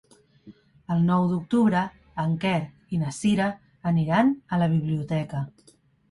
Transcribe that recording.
El nou d'octubre en Quer i na Cira aniran a la biblioteca.